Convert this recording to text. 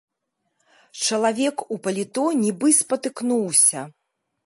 Чалавек у паліто нібы спатыкнуўся.